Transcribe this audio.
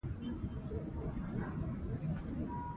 دغه علوم له اوسنیو واقعیتونو سره په تړاو کې دي.